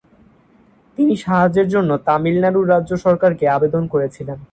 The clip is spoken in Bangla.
তিনি সাহায্যের জন্য তামিলনাড়ু রাজ্য সরকারকে আবেদন করেছিলেন।